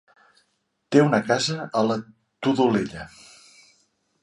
Té una casa a la Todolella.